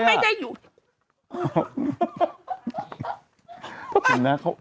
เจ๊ติดเตือนด้วยมันไม่ได้อยู่